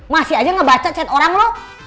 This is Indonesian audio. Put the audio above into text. masih aja ngebaca chat orang loh